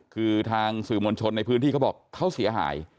คือทางสื่อมวลชนในพื้นที่เขาบอกเขาเสียหาย